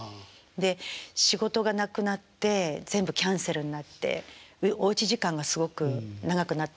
で仕事がなくなって全部キャンセルになっておうち時間がすごく長くなった時期で。